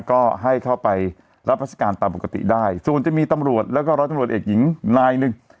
ก็ให้เข้าไปรับราชการตามปกติได้ส่วนจะมีตำรวจแล้วก็ร้อยตำรวจเอกหญิงนายหนึ่ง